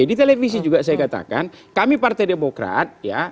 di televisi juga saya katakan kami partai demokrat ya